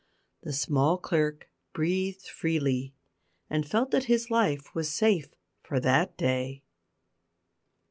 The small clerk breathed freely, and felt that his life was safe for that day.